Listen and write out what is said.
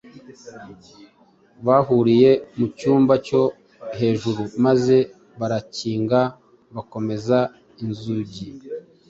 bahuriye mu cyumba cyo hejuru maze barakinga bakomeza inzugi